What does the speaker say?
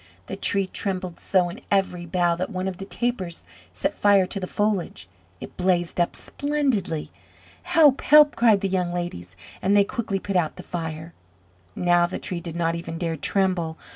The Tree trembled so in every bough that one of the tapers set fire to the foliage. It blazed up splendidly. "Help! Help!" cried the young ladies, and they quickly put out the fire. Now the Tree did not even dare tremble.